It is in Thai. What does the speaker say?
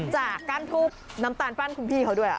ก้านทูบน้ำตาลปั้นคุณพี่เขาด้วย